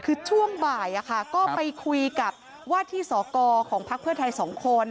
คือช่วงบ่ายก็ไปคุยกับว่าที่สกของพักเพื่อไทย๒คน